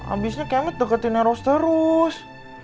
abisnya kenget deketin eros terus